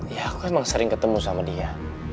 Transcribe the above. ya aku emang sering ketemu sama dia